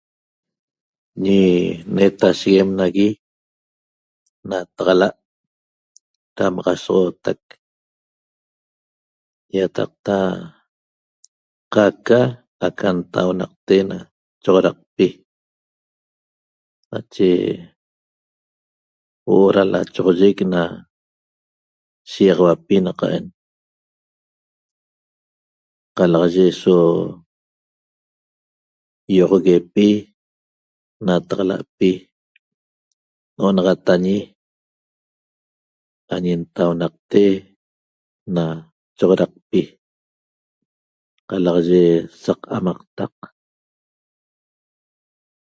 Ñe netesheguem nagui nataxala damaxasoxotaq so'otac ietaqta caica na nataunaqte na choxoraqpi nache huo'o na lachoxoyec na shiguiaxauapi naqa'en calaxaye so ioxoguepi nataxalapi nonaxatañe añe n'taunacte na choxoraqpi calaxaye saq amaqtaq